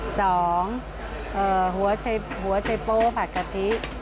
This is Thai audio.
สองหัวเฉป้าผัดกะทิ